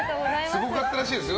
すごかったらしいですよ